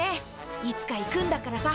いつか行くんだからさ。